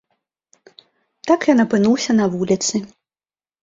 Так ён апынуўся на вуліцы.